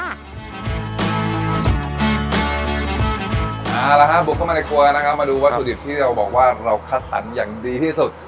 เอาละครับบุกเข้ามาในครัวแล้วนะครับมาดูวัตถุดิบที่เราบอกว่าเราคัดสรรอย่างดีที่สุด